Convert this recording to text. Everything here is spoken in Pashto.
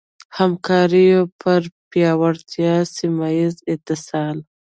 همکاریو پر پیاوړتیا ، سيمهييز اتصال